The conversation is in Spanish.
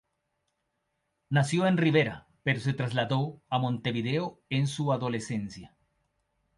Nació en Rivera pero se trasladó a Montevideo en su adolescencia.